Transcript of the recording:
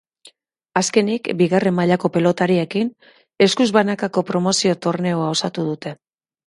Azkenik, bigarren mailako pelotariekin eskuz banakako promozio torneoa osatu dute.